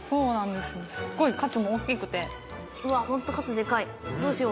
すっごいカツも大きくてうわホントカツでかいどうしよう